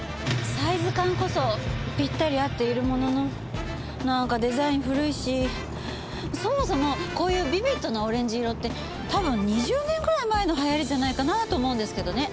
サイズ感こそぴったり合っているもののなんかデザイン古いしそもそもこういうビビッドなオレンジ色って多分２０年ぐらい前の流行りじゃないかなと思うんですけどね。